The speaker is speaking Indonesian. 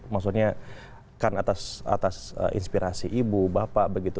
maksudnya kan atas inspirasi ibu bapak begitu